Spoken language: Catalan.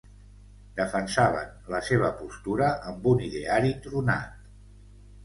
Defensaven la seva postura amb un ideari tronat.